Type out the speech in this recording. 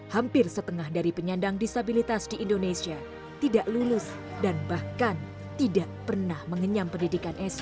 hampir setengah dari penyandang disabilitas di indonesia tidak lulus dan bahkan tidak pernah mengenyam pendidikan sd